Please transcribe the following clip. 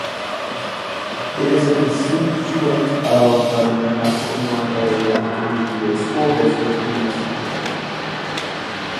It is a constituent of the Muskegon Area Intermediate School District in Muskegon County.